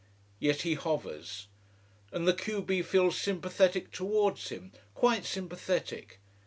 Yet he hovers. And the q b feels sympathetic towards him: quite sympathetic.